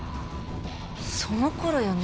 その頃よね？